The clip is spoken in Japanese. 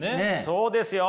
そうですよ。